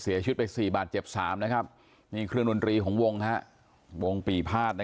เสียชุดไป๔บาทเจ็บ๓นะครับมีเครื่องดนตรีของวงฮะวงปีภาษณ์นะ